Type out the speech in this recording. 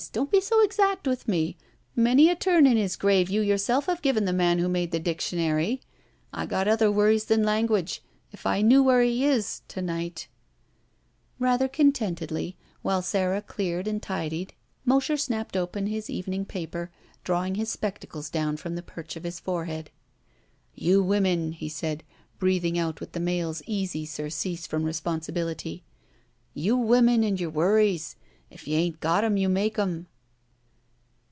Don't be so exactly with me. Many a turn in his grave you yourself have given the man who made the dic tionary. I got other worries than language. If I knew where he is — ^to night —" Rather contentedly, while Sara cleared and tidied, Mosher snapped open his evening paper, drawing his spectacles (lown &om the perch of his forehead. "You women," he said, breathing out with the male's easy surcease from responsibility — "you women and your worries. If you 'ain't got 'em, you make 'em."